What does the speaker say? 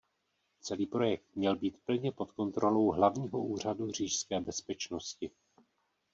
Celý projekt měl být plně pod kontrolou Hlavního úřadu říšské bezpečnosti.